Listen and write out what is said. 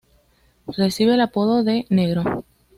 Recibe el apodo de "Negro".